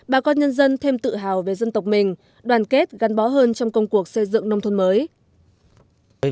bà con nhân dân thêm tự hào về dân tộc mình đoàn kết gắn bó hơn trong công cuộc xây dựng nông thôn mới